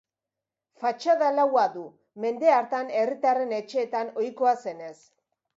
Fatxada laua du, mende hartan herritarren etxeetan ohikoa zenez.